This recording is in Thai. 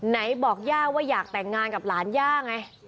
ไหนบอกย่าว่าอยากแต่งงานกับหลานย่าไง